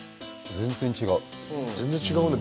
全然違うね。